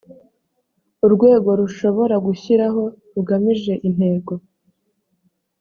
urwego rushobora gushyiraho rugamije intego